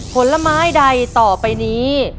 ผลไม้ใดต่อไปนี้